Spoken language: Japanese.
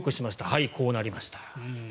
はい、こうなりました。